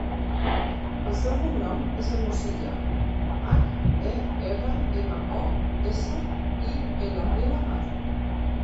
El seu cognom és Hermosilla: hac, e, erra, ema, o, essa, i, ela, ela, a.